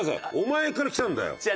お前からきたんだよ。